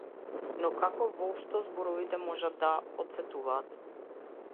Но како воопшто зборовите може да потсетуваат?